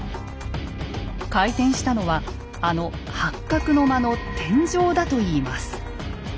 回転したのはあの八角の間の「天井」だといいます。